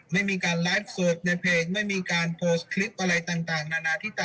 ไม่มีการไลฟ์สดในเพจไม่มีการโพสคลิปอะไรก็ไม่มี